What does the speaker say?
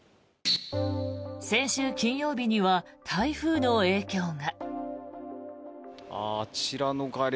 先週金曜日には台風の影響が。